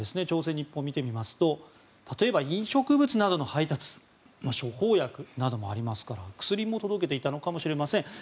朝鮮日報を見てみますと例えば、飲食物などの配達処方薬などもありますから薬も届けていたのかもしれません。